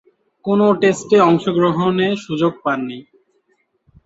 কোন টেস্টে অংশগ্রহণে সুযোগ পাননি।